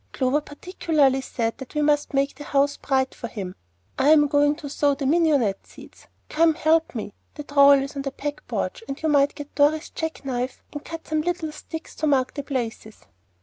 Clover particularly said that we must make the house bright for him. I'm going to sow the mignonette seed [desperately]; come and help me. The trowel is on the back porch, and you might get Dorry's jack knife and cut some little sticks to mark the places."